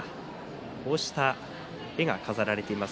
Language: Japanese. こうした絵が飾られています。